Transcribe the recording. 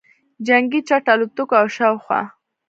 جنګي جټ الوتکو او شاوخوا